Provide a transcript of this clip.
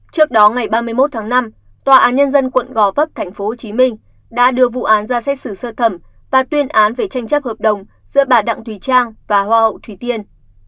trước đó ngày ba mươi một tháng năm tòa án nhân dân tp hcm đã đưa vụ án ra xét xử sơ thẩm và tuyên án về tranh chấp hợp đồng giữa bà đặng thủy trang và hoa hậu thủy tiên